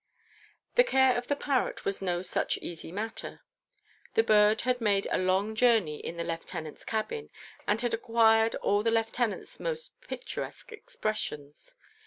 The care of the parrot was no such easy matter. The bird had made a long journey in the lieutenant's cabin, and had acquired all the lieutenant's most picturesque expressions.